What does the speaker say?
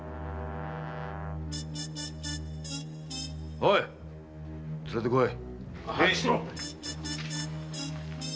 おい連れてこい。